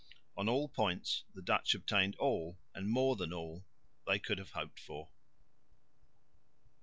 On all points the Dutch obtained all and more than all they could have hoped for.